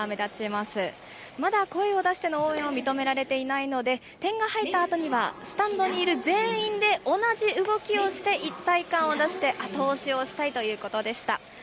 まだ声を出しての応援は認められていないので、点が入ったあとにはスタンドにいる全員で同じ動きをして一体感を出して後押しをしたいということでした。